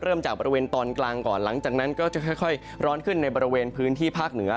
เริ่มจากบริเวณตอนกลางก่อนหลังจากนั้นก็จะค่อยร้อนขึ้นในบริเวณพื้นที่ภาคเหนือ